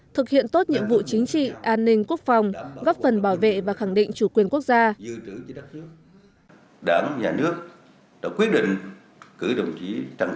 thực hiện tốt nhiệm vụ chính trị an ninh quốc phòng góp phần bảo vệ và khẳng định chủ quyền quốc gia